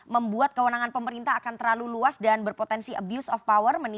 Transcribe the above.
membuat kewenangan pemerintah akan terlalu luas dan berpotensi abuse of power